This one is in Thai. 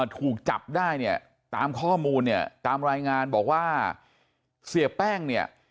ถูกจับได้ตามข้อมูลตามรายงานบอกว่าเสียแป้ง